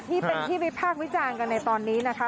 นี่เป็นที่วิพากษ์วิจารณ์กันในตอนนี้นะคะ